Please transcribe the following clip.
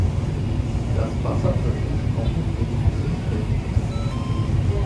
Das Wasser versinkt augenfällig in den Felsplatten.